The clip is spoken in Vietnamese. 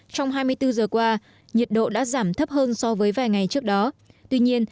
trong hai mươi bốn giờ qua nhiệt độ đã giảm thấp hơn so với vài ngày trước đó tuy nhiên